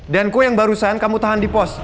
dan kue yang barusan kamu tahan di pos